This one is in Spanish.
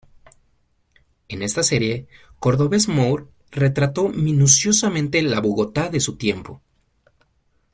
En esta serie, Cordovez Moure retrató minuciosamente la Bogotá de su tiempo.